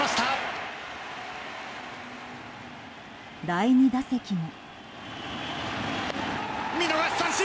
第２打席も。